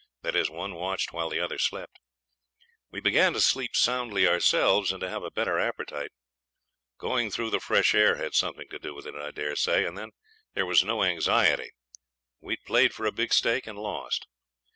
That is, one watched while the other slept. We began to sleep soundly ourselves and to have a better appetite. Going through the fresh air had something to do with it, I daresay. And then there was no anxiety. We had played for a big stake and lost.